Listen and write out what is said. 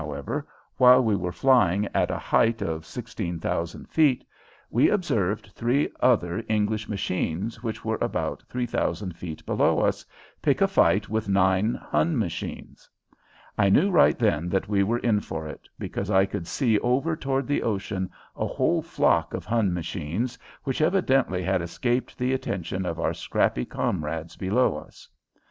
however, while we were flying at a height of sixteen thousand feet, we observed three other English machines which were about three thousand feet below us pick a fight with nine Hun machines. I knew right then that we were in for it, because I could see over toward the ocean a whole flock of Hun machines which evidently had escaped the attention of our scrappy comrades below us.